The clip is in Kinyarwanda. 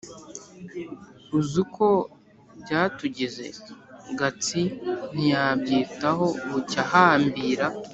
uzi uko byatugize!" Gatsi ntiyabyitaho bucya ahambira